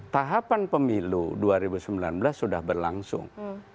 tahapan pemilu dua ribu sembilan belas sudah berlangsung